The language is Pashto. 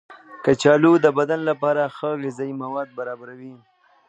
کچالو د بدن لپاره ښه غذايي مواد برابروي.